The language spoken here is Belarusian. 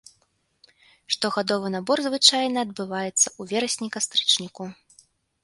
Штогадовы набор звычайна адбываецца у верасні-кастрычніку.